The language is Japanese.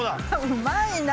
うまいな！